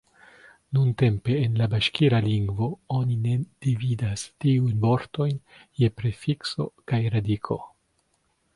Nuntempe en la baŝkira lingvo oni ne dividas tiujn vortojn je prefikso kaj radiko.